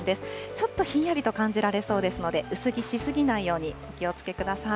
ちょっとひんやりと感じられそうですので、薄着し過ぎないようにお気をつけください。